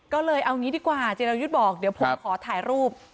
ก็เลยเอางี้ดีกว่าจิรายุทธ์บอกเดี๋ยวผมขอถ่ายรูป